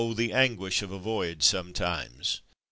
the anguish of a voyage, sometimes.